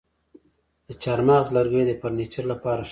د چهارمغز لرګی د فرنیچر لپاره ښه دی.